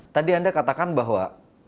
tadi anda katakan bahwa